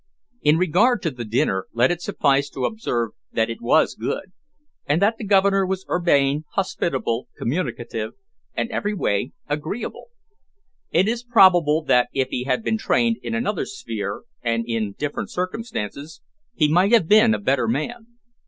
In regard to the dinner, let it suffice to observe that it was good, and that the Governor was urbane, hospitable, communicative, and every way agreeable. It is probable that if he had been trained in another sphere and in different circumstances he might have been a better man.